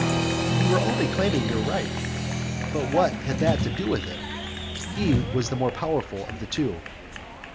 You were only claiming your right, but what had that to do with it? He was the more powerful of the two.